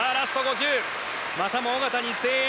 またも小方に声援。